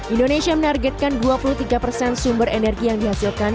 indonesia menargetkan dua puluh tiga persen sumber energi yang dihasilkan